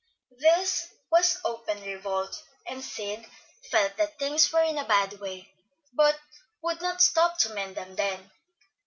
This was open revolt, and Sid felt that things were in a bad way, but would not stop to mend them then.